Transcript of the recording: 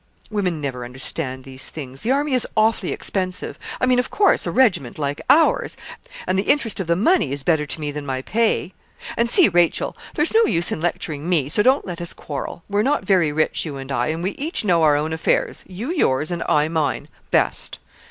'Women never understand these things. The army is awfully expensive I mean, of course, a regiment like ours; and the interest of the money is better to me than my pay; and see, Rachel, there's no use in lecturing me so don't let us quarrel. We're not very rich, you and I; and we each know our own affairs, you yours, and I mine, best.'